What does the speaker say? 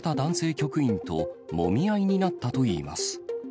局員ともみ合いになったといいます。